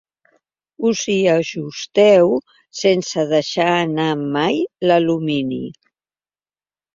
Us hi ajusteu sense deixar anar mai l'alumini.